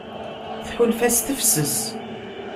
Tḥulfa s tefses.